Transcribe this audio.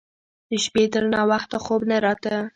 د شپې تر ناوخته خوب نه راته.